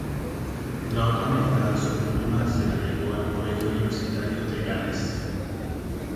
La otra mitad de su fortuna se la legó al Colegio Universitario de Gales.